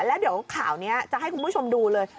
แล้วเดี๋ยวข่าวนี้จะให้คุณผู้ชมดูเลย